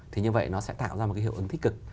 thì như vậy nó sẽ tạo ra một cái hiệu ứng tích cực